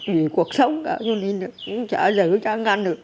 vì cuộc sống cả chả giữ chả ngăn được